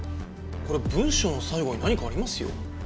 これ文章の最後に何かありますよ。